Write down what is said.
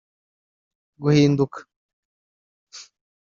Guhinduka